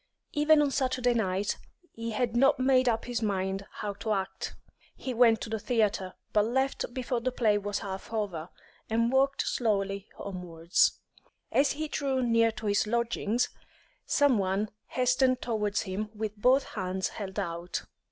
Even on Saturday night he had not made up his mind how to act. He went to the theatre, but left before the play was half over, and walked slowly homewards. As he drew near to his lodgings, some one hastened towards him with both hands held out.